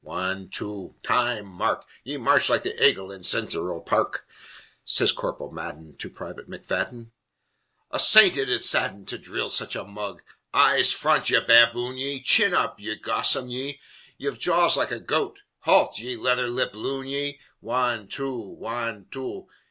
Wan two! Time! Mark! Ye march like the aigle in Cintheral Parrk!" Sez Corporal Madden to Private McFadden: "A saint it ud sadden To dhrill such a mug! Eyes front! ye baboon, ye! Chin up! ye gossoon, ye! Ye've jaws like a goat Halt! ye leather lipped loon, ye! Wan two! Wan two!